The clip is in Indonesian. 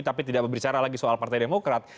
tapi tidak berbicara lagi soal partai demokrat